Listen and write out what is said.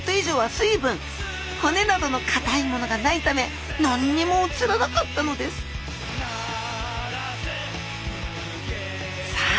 骨などのかたいものがないため何にも写らなかったのですさあ